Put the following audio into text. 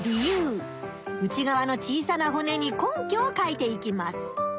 内がわの小さなほねに根拠を書いていきます。